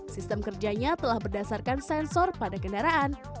sistem kerjanya telah berdasarkan sensor pada kendaraan